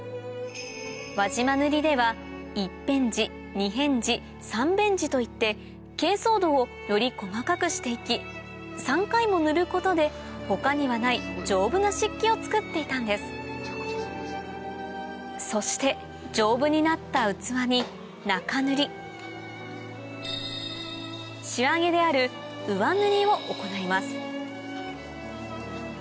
輪島塗では一辺地二辺地三辺地といって珪藻土をより細かくして行き３回も塗ることで他にはない丈夫な漆器を作っていたんですそして丈夫になった器に中塗り仕上げである上塗りを行います